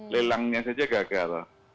lelangnya saja gagal